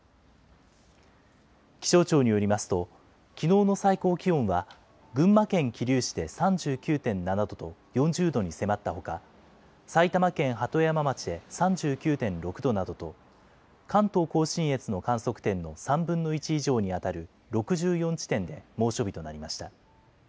気象庁によりますと、きのうの最高気温は、群馬県桐生市で３９．７度と４０度に迫ったほか、埼玉県鳩山町で３９．６度などと関東甲信越の観測点の３分の１以上に当たる６４地点で猛暑日となりました。